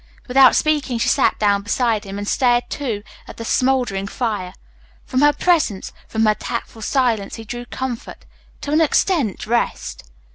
Without speaking she sat down beside him and stared, too, at the smouldering fire. From her presence, from her tactful silence he drew comfort to an extent, rest.